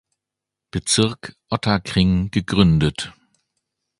Bezirk, Ottakring gegründet.